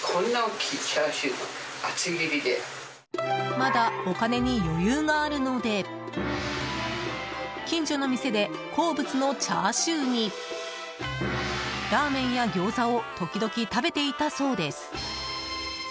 まだお金に余裕があるので近所の店で好物のチャーシューにラーメンやギョーザを時々食べていたそうです。